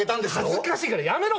恥ずかしいからやめろ！